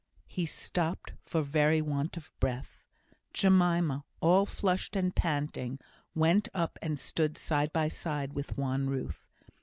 He stopped for very want of breath. Jemima, all flushed and panting, went up and stood side by side with wan Ruth.